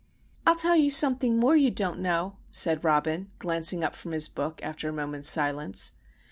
"I'll tell you something more you don't know," said Robin, glancing up from his book after a moment's silence.